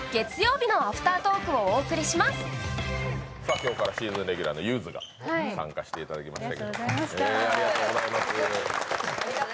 今日からシーズンレギュラーのゆーづが参加していただきました。